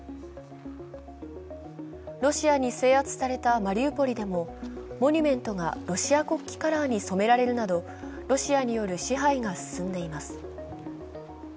ロシアに制圧されたマリウポリでもモニュメントがロシア国旗カラーに染められるなどロシアによる支配が進んでいます。